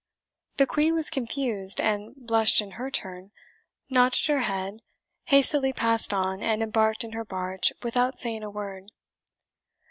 The Queen was confused, and blushed in her turn, nodded her head, hastily passed on, and embarked in her barge without saying a word.